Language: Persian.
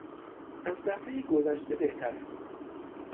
از دفعه گذشته بهتر است.